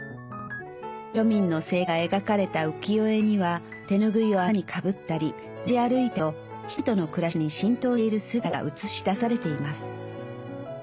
庶民の生活が描かれた浮世絵には手ぬぐいを頭にかぶったり持ち歩いたりと人々の暮らしに浸透している姿が映し出されています。